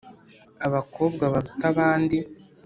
abakobwa baruta abandi.